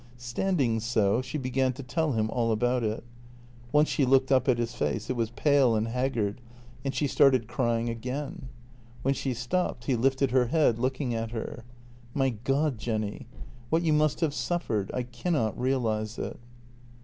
Standing so, she began to tell him all about it. Once she looked up at his face; it was pale and haggard; and she started JENNY 245 crying again. When she stopped, he lifted her head, looking at her: "My God, Jenny — what you must have suffered! I can not realize it."